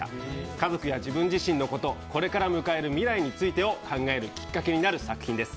家族や自分自身のこと、これから迎える未来についてを考えるきっかけになる作品です。